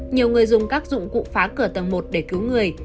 nhiều người dùng các dụng cụ phá cửa tầng một để cứu người